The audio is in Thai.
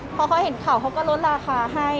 พอเขาเห็นข่าวเขาก็ลดราคาให้